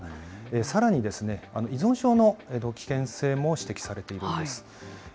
さらに依存症への危険性も指摘されているんです。